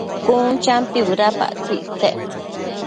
Cun champi bëdapactsëc ictsec